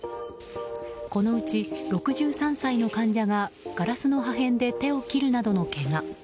このうち６３歳の患者がガラスの破片で手を切るなどのけが。